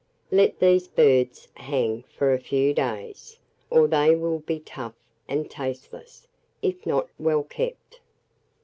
Let these birds hang for a few days, or they will be tough and tasteless, if not well kept.